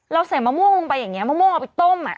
เราใส่มะม่วงลงไปอย่างเงี้ยมะม่วงเอาไปต้มอ่ะ